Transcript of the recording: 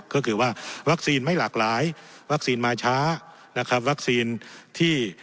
ก็คือว่าวัคซีนไม่หลากหลายวัคซีนมาช้านะครับวัคซีนที่